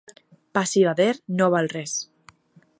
Pa civader no val res.